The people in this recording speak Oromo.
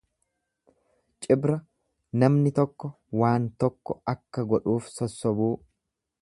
Cibra namni tokko waan tokko akka godhuuf sossobuu.